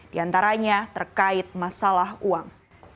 diantaranya terkait masalah uang